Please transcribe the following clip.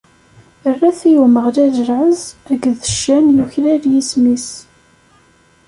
Rret i Umeɣlal lɛezz akked ccan yuklal yisem-is!